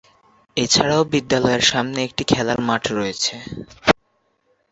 এছাড়াও বিদ্যালয়ের সামনে একটি খেলার মাঠ রয়েছে।